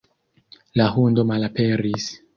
La hundo malaperis.